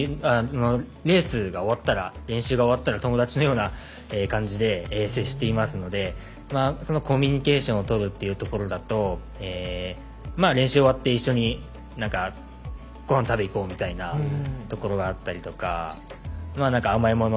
レースが終わったら練習が終わったら友達のような感じで接していますのでそのコミュニケーションを取るっていうところだと練習が終わって一緒にご飯食べに行こうみたいなところがあったりとか甘いもの